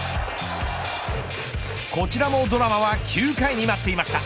こちらもドラマは９回に待っていました。